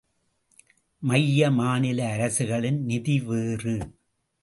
மைய, மாநில அரசுகளின் நிதி வேறு.